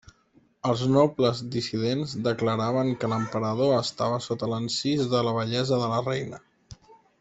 Els nobles dissidents declaraven que l'emperador estava sota l'encís de la bellesa de la reina.